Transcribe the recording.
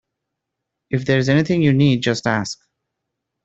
If there's anything you need, just ask